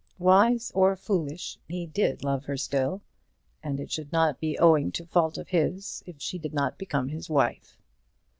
Wise or foolish, he did love her still; and it should not be owing to fault of his if she did not become his wife.